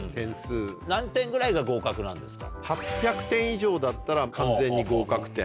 何点ぐらいが合格なんですか？